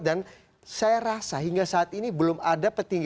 dan saya rasa hingga saat ini belum ada petinggi